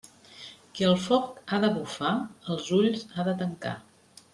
Qui al foc ha de bufar, els ulls ha de tancar.